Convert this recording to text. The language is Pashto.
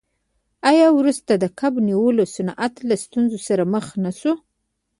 آیا وروسته د کب نیولو صنعت له ستونزو سره مخ نشو؟